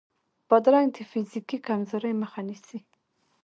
بادرنګ د فزیکي کمزورۍ مخه نیسي.